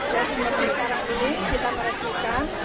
dan seperti sekarang ini kita meresmikan sebelas